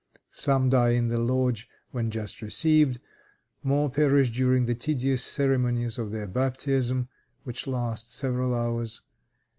Some die in the lodge when just received; more perish during the tedious ceremonies of their baptism, which last several hours.